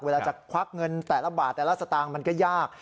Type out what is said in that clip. เวลาจะควักเงินแต่ละบาทแต่ละสตางค์มันก็ยาก